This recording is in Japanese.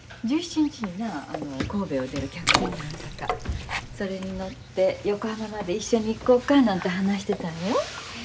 １７日にな神戸を出る客船があるさかそれに乗って横浜まで一緒に行こかなんて話してたんよ。